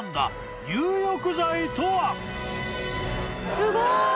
すごい。